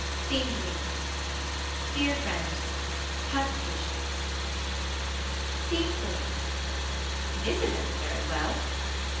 Scene 3. Dear friends. Have patience. Scene 4. This has ended very well.